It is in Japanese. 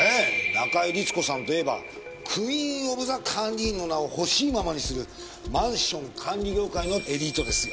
中井律子さんといえばクイーン・オブ・ザ・管理員の名をほしいままにするマンション管理業界のエリートですよ。